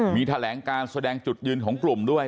มีแถลงการแสดงจุดยืนของกลุ่มด้วย